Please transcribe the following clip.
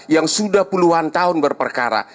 yang sudah puluhan tahun berperkara